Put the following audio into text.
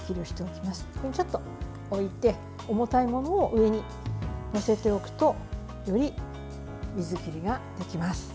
ちょっと置いて重たいものを上に載せておくとより水切りができます。